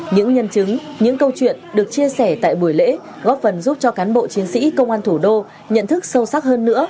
những nhân chứng những câu chuyện được chia sẻ tại buổi lễ góp phần giúp cho cán bộ chiến sĩ công an thủ đô nhận thức sâu sắc hơn nữa